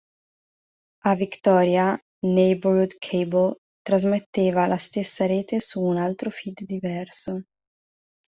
A Victoria, Neighborhood Cable trasmetteva la stessa rete su un altro feed diverso.